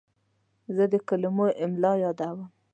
زه د کلمو املا یادوم.